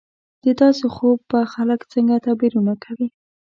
د داسې خوب به خلک څنګه تعبیرونه کوي